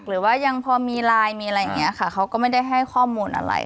หรือว่ายังพอมีไลน์มีอะไรอย่างนี้ค่ะเขาก็ไม่ได้ให้ข้อมูลอะไร